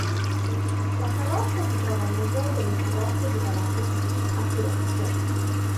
La carrozza si trova al "Museo delle Carrozze di Palazzo Pitti" a Firenze.